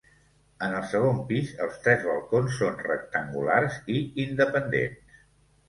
En el segon pis els tres balcons són rectangulars i independents.